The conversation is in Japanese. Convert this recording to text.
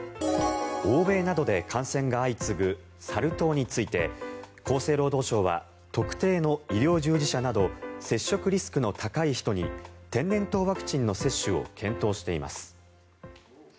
欧米などで感染が相次ぐサル痘について厚生労働省は特定の医療従事者など接触リスクの高い人に天然痘ワクチンの接種を検討しています。